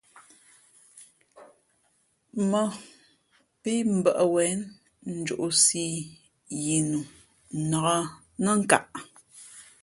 Mᾱ pí mbᾱʼ wěn njōʼsī ī yi nu nǎk nά nkaʼ.